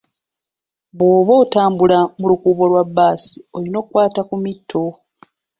Bw'oba otambula mu lukuubo lwa baasi oyina okukwata ku mitto.